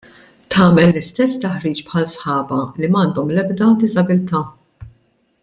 Tagħmel l-istess taħriġ bħal sħabha li m'għandhom l-ebda diżabbilità.